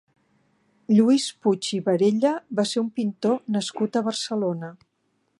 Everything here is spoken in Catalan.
Lluís Puig i Barella va ser un pintor nascut a Barcelona.